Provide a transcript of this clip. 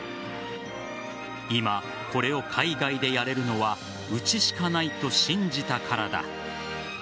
今、これを海外でやれるのはうちしかないと信じたからだ。